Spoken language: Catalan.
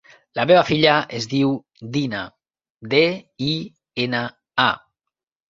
La meva filla es diu Dina: de, i, ena, a.